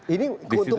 ini keuntungan ya